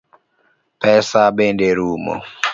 Pesa bende rumo.